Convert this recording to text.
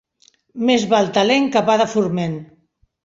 Més val talent que pa de forment.